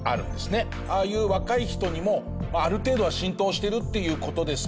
ああいう若い人にもある程度は浸透してるっていう事ですか？